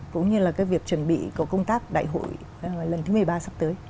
cũng như là cái việc chuẩn bị của công tác đại hội lần thứ một mươi ba sắp tới